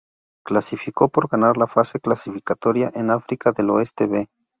Clasificó por ganar la fase clasificatoria en "África del Oeste B".